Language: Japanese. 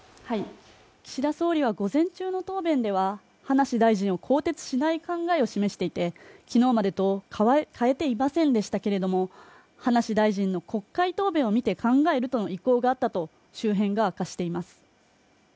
岸田総理は午前中の答弁では、葉梨大臣を更迭しない考えを示していて、昨日までと変えていませんでしたけれども、葉梨大臣の国会答弁を見て考えるとの意向があったと周辺が明かしています。